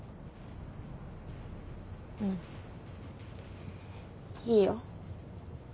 うんいいよ。